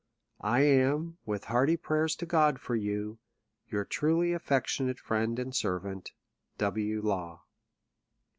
— 1 am, with hearty prayers to God for you, your truly affectionate friend and servant, W. LAW.